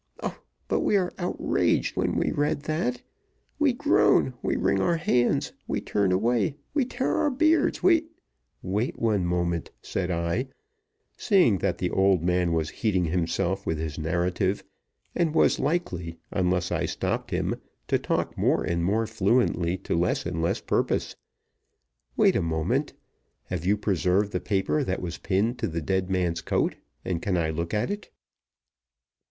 Oh! but we are outraged when we read that; we groan, we wring our hands, we turn away, we tear our beards, we " "Wait one moment," said I, seeing that the old man was heating himself with his narrative, and was likely, unless I stopped him, to talk more and more fluently to less and less purpose "wait a moment. Have you preserved the paper that was pinned to the dead man's coat; and can I look at it?"